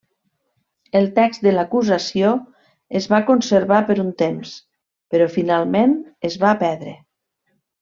El text de l'acusació es va conservar per un temps, però finalment es va perdre.